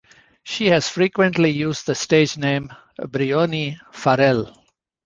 She has frequently used the stage name Brioni Farrell.